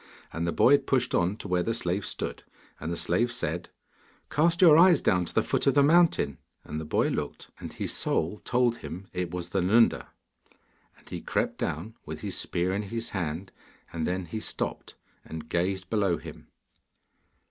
And the boy pushed on to where the slave stood, and the slave said: 'Cast your eyes down to the foot of the mountain.' And the boy looked, and his soul told him it was the Nunda. And he crept down with his spear in his hand, and then he stopped and gazed below him.